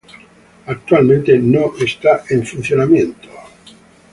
Actualmente no esta en funcionamiento.